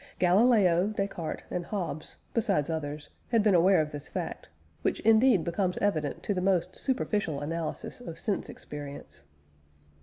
Galileo, Descartes, and Hobbes, besides others, had been aware of this fact, which indeed becomes evident to the most superficial analysis of sense experience.